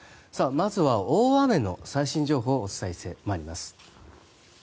まずは大雨の最新情報をお伝えしてまいります。